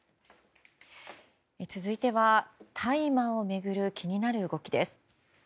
続いては大麻を巡る気になる動きです。